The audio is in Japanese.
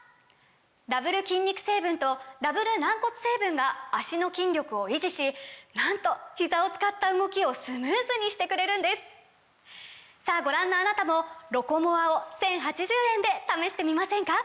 ダブル筋肉成分とダブル軟骨成分が脚の筋力を維持しなんとひざを使った動きをスムーズにしてくれるんですさぁご覧のあなたも「ロコモア」を１，０８０円で試してみませんか！